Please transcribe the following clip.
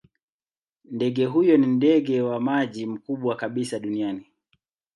Ndege huyo ni ndege wa maji mkubwa kabisa duniani.